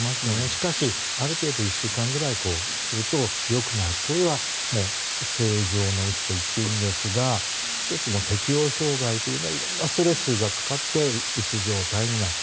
しかし、ある程度１週間くらいすると、よくなるそれは正常のうつと言っていいんですが１つの適応障害というのは色んなストレスがかかってうつ状態になる。